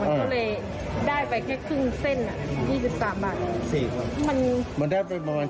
มันก็เลยได้ไปแค่ครึ่งเส้นอ่ะยี่สิบสามบาทสี่บาทมันมันได้ไปประมาณ